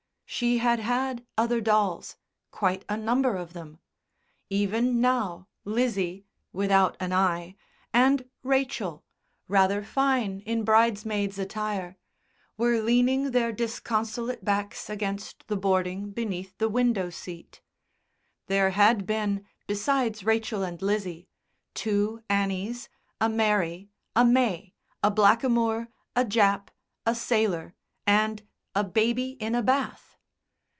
She had had other dolls quite a number of them. Even now Lizzie (without an eye) and Rachel (rather fine in bridesmaid's attire) were leaning their disconsolate backs against the boarding beneath the window seat. There had been, besides Rachel and Lizzie, two Annies, a Mary, a May, a Blackamoor, a Jap, a Sailor, and a Baby in a Bath.